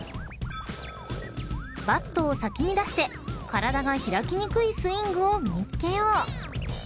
［バットを先に出して体が開きにくいスイングを身に付けよう］